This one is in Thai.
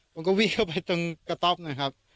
ผมก็วิ่งเข้าไปตรงกระต๊อบนะครับ